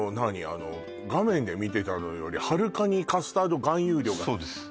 あの画面で見てたのよりはるかにカスタード含有量がそうです